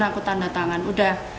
aku tanda tangan udah